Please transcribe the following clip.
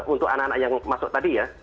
untuk anak anak yang masuk tadi ya